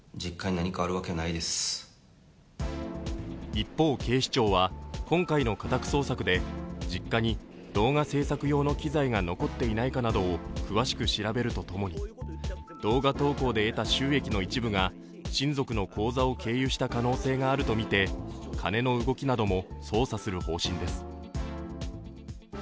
一方、警視庁は今回の家宅捜索で実家に動画制作用の機材が残っていないかなどを詳しく調べるとともに動画投稿で得た収益の一部が親族の口座を経由した可能性があるとみて金の動きなども捜査する方針です。